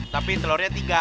tapi telurnya tiga